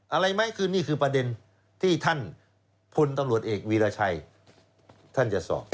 อะไรไหมคือนี่คือประเด็นที่ท่านพลตำรวจเอกวีรชัยท่านจะสอบ